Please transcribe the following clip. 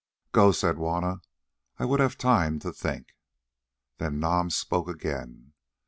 "Go," said Juanna, "I would have time to think." Then Nam spoke again.